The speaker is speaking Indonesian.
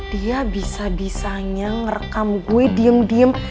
dia bisa bisanya merekam gue diem diem